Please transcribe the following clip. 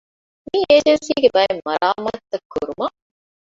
މި އޭޖެންސީގެ ބައެއް މަރާމާތުތައް ކުރުމަށް